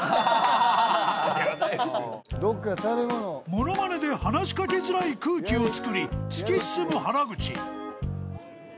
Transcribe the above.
［物まねで話し掛けづらい空気をつくり突き進む原口］